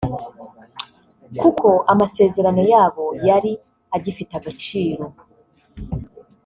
kuko amasezerano yabo yari agifite agaciro